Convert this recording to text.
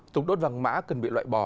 dùng đốt vàng mã cần bị loại bỏ